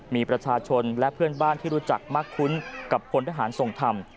มีประชาชนและเพื่อนบ้านที่รู้จักมากคุ้นกับพลทหารทรงธรรม